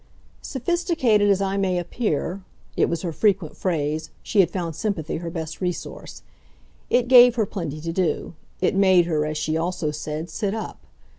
"Sophisticated as I may appear" it was her frequent phrase she had found sympathy her best resource. It gave her plenty to do; it made her, as she also said, sit up.